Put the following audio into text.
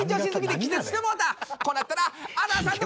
こうなったら。